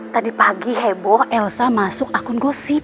tadi pagi heboh elsa masuk akun gosip